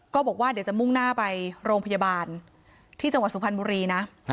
ก็บอกว่าเดี๋ยวจะมุ่งหน้าไปโรงพยาบาลที่จังหวัดสุพรรณบุรีนะ